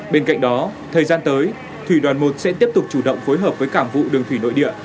bên cạnh đó thời gian tới thủy đoàn một sẽ tiếp tục chủ động phối hợp với cảng vụ đường thủy nội địa